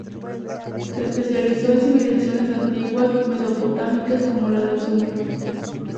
Se especializó en civilizaciones antiguas mesopotámicas como la de Sumer.